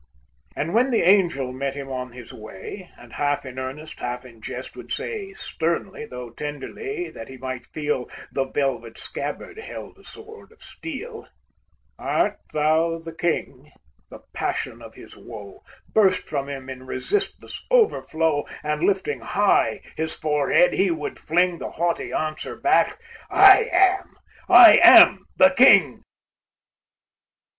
And when the Angel met him on his way, And half in earnest, half in jest, would say, Sternly, though tenderly, that he might feel, The velvet scabbard held a sword of steel, "Art thou the King?" the passion of his woe, Burst from him in resistless overflow, And, lifting high his forehead he would fling The haughty answer back, "I am, I am, the King!"